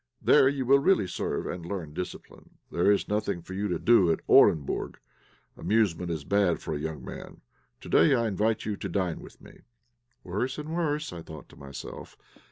There you will really serve and learn discipline. There is nothing for you to do at Orenburg; amusement is bad for a young man. To day I invite you to dine with me." "Worse and worse," thought I to myself.